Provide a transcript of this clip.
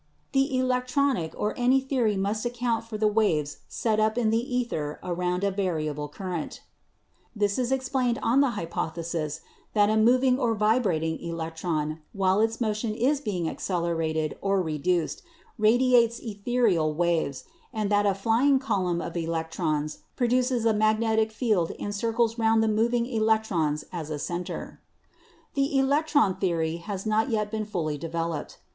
"The electronic or any theory must account for the waves set up in the ether around a variable current. This is explained on the hypothesis that a moving or vibrating electron, while its motion is being accelerated or reduced, radiates ethereal waves, and that a flying column of elec trons produces a magnetic field in circles round the moving electrons as a center." The electron theory has not yet been fully developed.